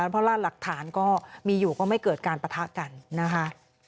เพราะว่าหลักฐานก็มีอยู่ก็ไม่เกิดการปะทะกันนะคะ